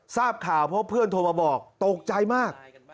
ทราบข่าวเพราะเพื่อนโทรมาบอกตกใจมาก